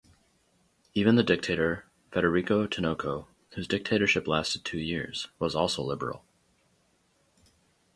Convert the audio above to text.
Even the dictator Federico Tinoco whose dictatorship lasted two years was also liberal.